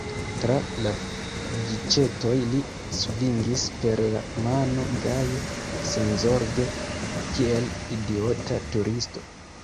Tra la giĉetoj li svingis per la mano gaje, senzorge, kiel idiota turisto.